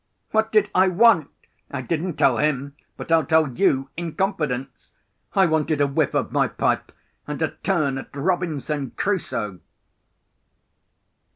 What did I want? I didn't tell him; but I'll tell you, in confidence. I wanted a whiff of my pipe, and a turn at Robinson Crusoe.